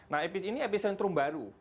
nah ini epicentrum baru